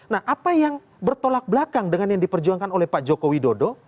nah apa yang bertolak belakang dengan yang diperjuangkan oleh pak joko widodo